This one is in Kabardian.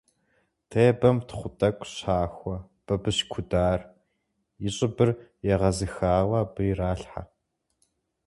Тебэм тхъу тӀэкӀу щахуэ, бабыщ кудар, и щӀыбыр егъэзыхауэ, абы иралъхьэ.